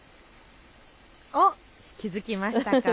お、気付きましたか。